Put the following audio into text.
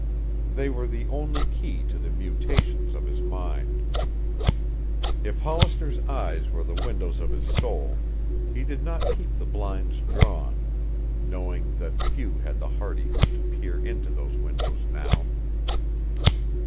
They were the only key to the mutations of his mind. If Hollister's eyes were the windows of his soul, he did not keep the blinds drawn, knowing that few had the hardihood to peer into those windows now.